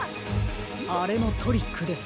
あれもトリックです。